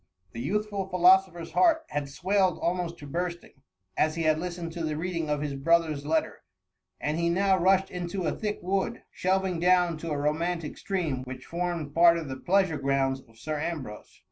The youthful philoso pher'^s heart had swelled almost to bursting, as he had listened to the reading of his brother^s letter, and he now rushed into a thick wood, shelving down to a romantic stream, which formed part of the pleasure grounds of Sir Ambrose.